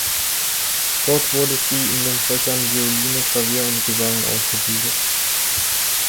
Dort wurde sie in den Fächern Violine, Klavier und Gesang ausgebildet.